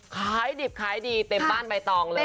คล้ายดิบอีกเต็มบ้านใบตองเลย